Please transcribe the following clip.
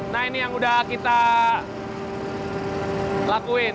nah ini yang udah kita lakuin